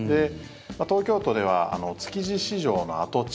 東京都では築地市場の跡地